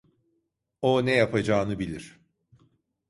O ne yapacağını bilir.